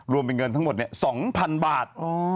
รวมเป็นเงินทั้งหมด๒๐๐๐บาท